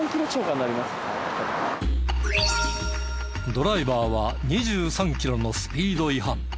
ドライバーは２３キロのスピード違反。